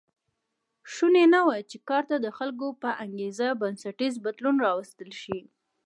شونې نه وه چې کار ته د خلکو په انګېزه بنسټیز بدلون راوستل شي